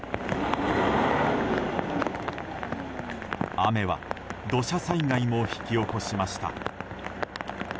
雨は土砂災害も引き起こしました。